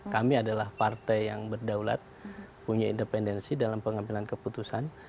kami adalah partai yang berdaulat punya independensi dalam pengambilan keputusan